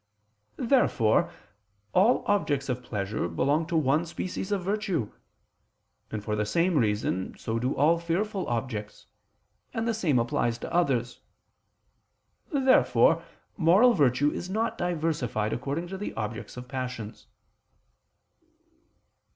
Therefore all objects of pleasure belong to one species of virtue: and for the same reason so do all fearful objects, and the same applies to others. Therefore moral virtue is not diversified according to the objects of the passions.